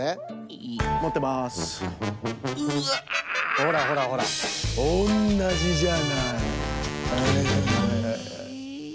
ほらほらほらおんなじじゃない？え？